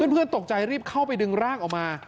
เพื่อนตกใจรีบเข้าไปดึงร่างออกมา